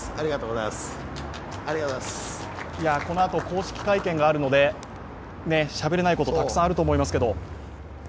このあと公式会見があるのでしゃべれないことたくさんあると思うんですけど。